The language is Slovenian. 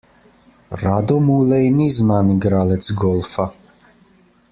Rado Mulej ni znan igralec golfa.